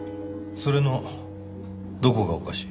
それのどこがおかしい？